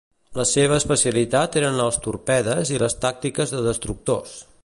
La seva especialitat eren els torpedes i les tàctiques de destructors.